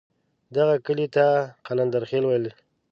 دغه کلي ته یې قلندرخېل ویل.